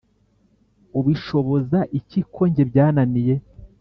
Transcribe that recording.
ubishoboza iki konjye byananiye